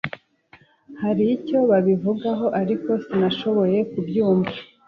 Hari icyo babivugaho, ariko sinashoboye kubyumva.